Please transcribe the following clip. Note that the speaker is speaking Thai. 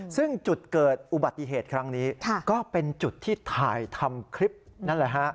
ซึ่งจุดเกิดอุบัติเหตุครั้งนี้ก็เป็นจุดที่ถ่ายทำคลิปนั่นแหละฮะ